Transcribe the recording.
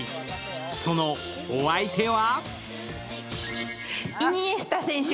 そのお相手は？